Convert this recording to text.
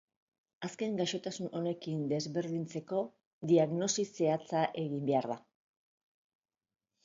Azken gaixotasun honekin desberdintzeko diagnosi zehatza egin behar da.